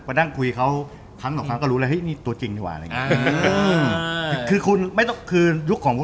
มาด่งคุยเขาตัวจริงอยู่